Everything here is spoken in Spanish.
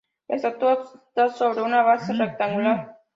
La estatua está sobre una base rectangular.